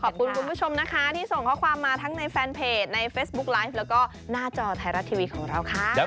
คุณผู้ชมนะคะที่ส่งข้อความมาทั้งในแฟนเพจในเฟซบุ๊คไลฟ์แล้วก็หน้าจอไทยรัฐทีวีของเราค่ะ